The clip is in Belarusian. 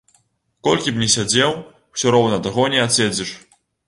Колькі б ні сядзеў, усё роўна таго не адседзіш.